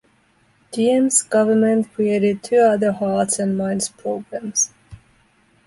Diem's government created two other hearts and minds programs.